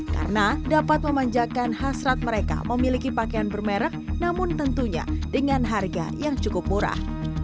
karena dapat memanjakan hasrat mereka memiliki pakaian bermerek namun tentunya dengan harga yang cukup murah